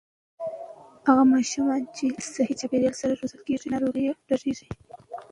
هغه ماشومان چې له صحي چاپېريال سره روزل کېږي، ناروغۍ لږېږي.